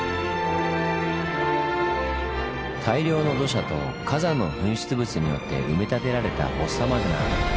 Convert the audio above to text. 大量の土砂と火山の噴出物によって埋め立てられたフォッサマグナ。